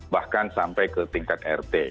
bahkan sampai ke tingkat rt